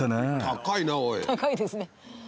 高いですね。